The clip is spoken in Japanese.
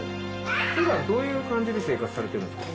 ふだんどういう感じで生活されてるんですか。